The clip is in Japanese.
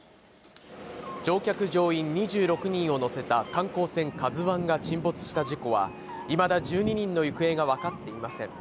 乗客乗員２６人を乗せた観光船「ＫＡＺＵ１」が沈没した事故は、いまだ１２人の行方が分かっていません。